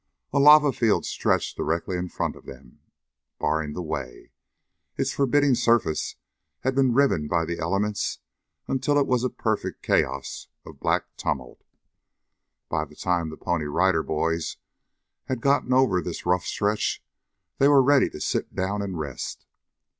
A lava field stretched directly in front of them, barring the way. Its forbidding surface had been riven by the elements until it was a perfect chaos of black tumult. By the time the Pony Rider Boys had gotten over this rough stretch, they were ready to sit down and rest.